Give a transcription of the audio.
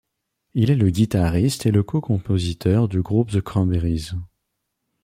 Il est le guitariste et le cocompositeur du groupe The Cranberries.